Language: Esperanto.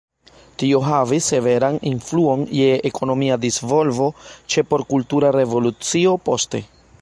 Tio havis severan influon je ekonomia disvolvo, ĉe por Kultura Revolucio poste.